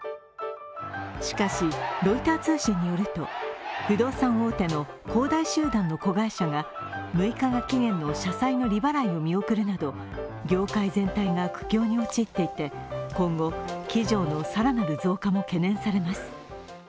しかし、ロイター通信によると、不動産大手の恒大集団の子会社が６日が期限の社債の利払いをしなかったことなど業界全体が苦境に陥っていて、今後鬼城の更なる増加も懸念されます。